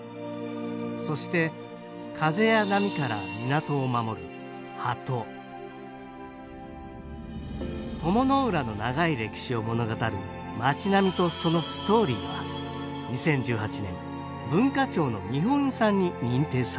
そして風や波から港を守る波止鞆の浦の長い歴史を物語る町並みとそのストーリーは２０１８年文化庁の日本遺産に認定されました